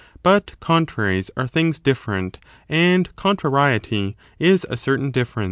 But contraries are things different, and con trariety is a certain difference.